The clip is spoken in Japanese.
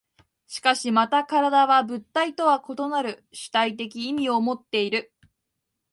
しかしまた身体は物体とは異なる主体的意味をもっている。